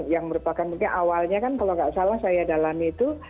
yang merupakan mungkin awalnya kan kalau nggak salah saya dalami itu